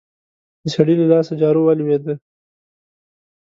د سړي له لاسه جارو ولوېده.